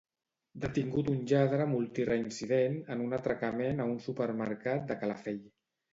Detingut un lladre multireincident en un atracament a un supermercat de Calafell.